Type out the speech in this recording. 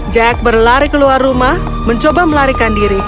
jack berlari keluar rumah mencoba melarikan diri